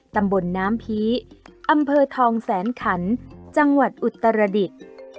ตำบลน้ำผีอำเภอทองแสนขันจังหวัดอุตรดิษฐ์